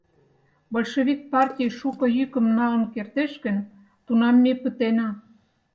Большевик партий шуко йӱкым налын кертеш гын, тунам ме пытена.